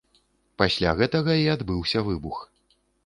Пасля гэтага і адбыўся выбух.